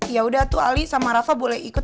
yaudah tuh ali sama rafa boleh ikut